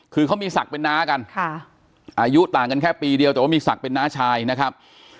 คือเขามีศักดิ์เป็นน้ากันค่ะอายุต่างกันแค่ปีเดียวแต่ว่ามีศักดิ์เป็นน้าชายนะครับ